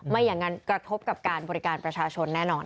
ไม่อย่างนั้นกระทบกับการบริการประชาชนแน่นอน